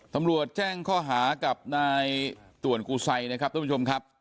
ตำรวจแจ้งข้อหากับนายต่วนกูไซนะครับทุกผู้ชมครับ